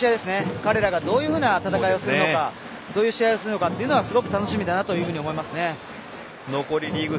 彼らがどういうふうな試合をするのかどういう試合をするのかというのはすごく楽しみだなと思いますね。